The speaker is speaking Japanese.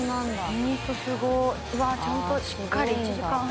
「本当すごい」「ちゃんとしっかり１時間半」